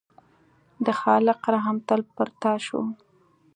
د خالق رحم تل پر تا شو.